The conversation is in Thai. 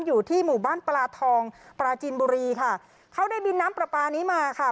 อยู่ที่หมู่บ้านปลาทองปลาจีนบุรีค่ะเขาได้บินน้ำปลาปลานี้มาค่ะ